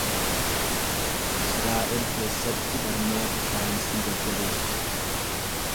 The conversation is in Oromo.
Israa’el keessatti barnoota saayinsii jajjabeessu.